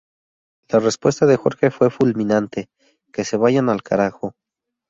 La respuesta de Jorge fue fulminante: ‘Que se vayan al carajo.